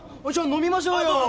飲みましょう！